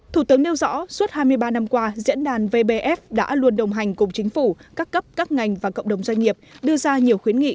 thủ tướng nêu rõ suốt hai mươi ba năm qua diễn đàn vbf đã luôn đồng hành cùng chính phủ các cấp các ngành và cộng đồng doanh nghiệp đưa ra nhiều khuyến nghị